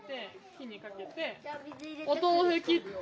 お豆腐切って。